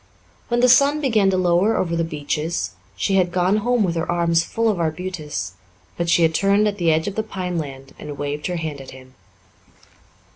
When the sun began to lower over the beeches she had gone home with her arms full of arbutus, but she had turned at the edge of the pineland and waved her hand at him.